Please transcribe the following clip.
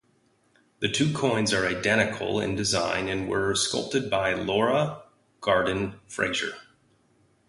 The two coins are identical in design and were sculpted by Laura Gardin Fraser.